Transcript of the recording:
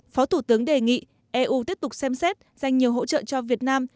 phó thủ tướng đề nghị eu tiếp tục xem xét dành nhiều hỗ trợ cho việt nam